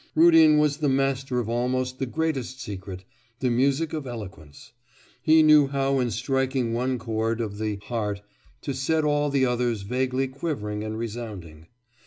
Rudin was the master of almost the greatest secret the music of eloquence. He knew how in striking one chord of the heart to set all the others vaguely quivering and resounding.